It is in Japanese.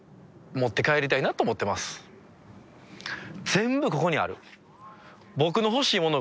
全部ここにある。